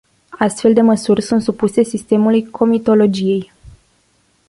Astfel de măsuri sunt supuse sistemului comitologiei.